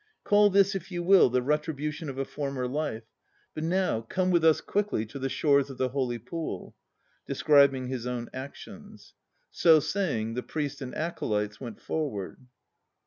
Call this, if you will, the retribution of a former life. But now come with us quickly to the shores of the Holy Pool. (Describing his own actions.) So saying, the Priest and acolytes went forward.